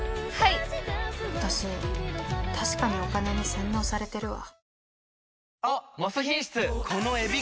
私確かにお金に洗脳されてるわ。